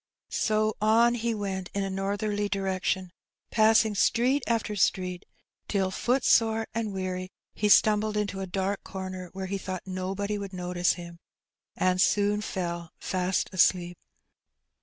So on he went in a northerly direction, passing street after street, till, footsore and weary, he stumbled into a dark comer where he thought nobody would notice him, and soon fell fast asleep.